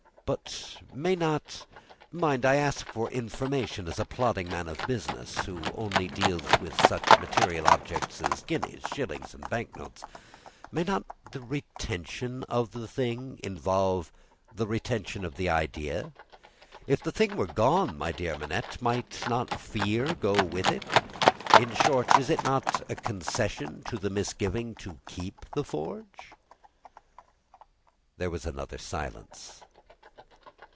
"But may not mind! I ask for information, as a plodding man of business who only deals with such material objects as guineas, shillings, and bank notes may not the retention of the thing involve the retention of the idea? If the thing were gone, my dear Manette, might not the fear go with it? In short, is it not a concession to the misgiving, to keep the forge?" There was another silence.